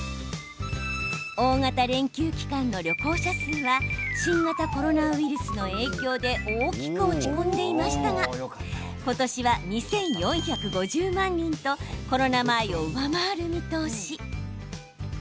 大型連休期間の旅行者数は新型コロナウイルスの影響で大きく落ち込んでいましたが今年は２４５０万人とコロナ前を上回る見通し。